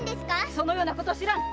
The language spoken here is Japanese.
そのようなこと知らぬ！